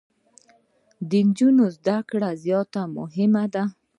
د انجونو زده کړي زياتي مهمي دي.